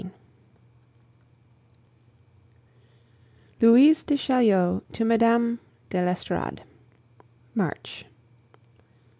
XV. LOUISE DE CHAULIEU TO MME. DE L'ESTORADE March.